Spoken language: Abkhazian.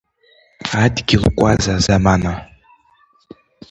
Адгьыл кәаза замана…